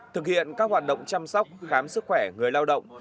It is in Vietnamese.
thực hiện các hoạt động chăm sóc khám sức khỏe người lao động